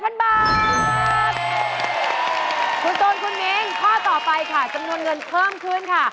คุณตูนคุณมิ้นข้อต่อไปค่ะจำนวนเงินเพิ่มขึ้นค่ะ